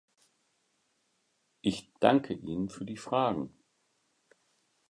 Ich danke Ihnen für die Fragen.